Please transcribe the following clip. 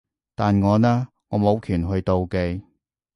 但我呢？我冇權去妒忌